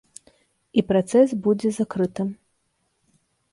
І працэс будзе закрытым.